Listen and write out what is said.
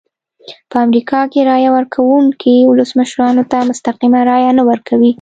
په امریکا کې رایه ورکوونکي ولسمشرانو ته مستقیمه رایه نه ورکوي.